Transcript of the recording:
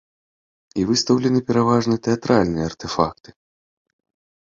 І выстаўлены пераважна тэатральныя артэфакты.